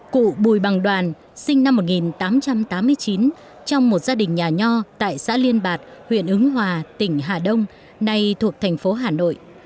cụ bùi bằng đoàn sinh năm một nghìn tám trăm tám mươi chín trong một gia đình nhà nho tại xã liên bạc huyện ứng hòa tỉnh hà đông nay thuộc thành phố hà nội